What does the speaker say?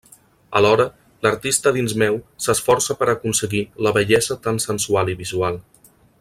Alhora, l'artista dins meu s'esforça per aconseguir la bellesa tan sensual i visual.